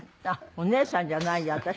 あっお姉さんじゃないや。